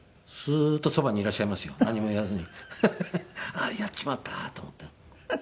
あれやっちまったと思って。